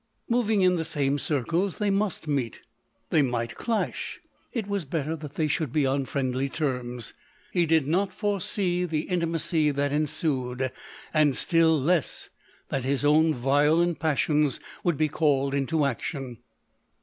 Moving in the same circles, they must meet — they might clash : it was better that they should be on friendly terms. He did not foresee the inti macy that ensued ; and still less, that bis own violent passions would be called into action.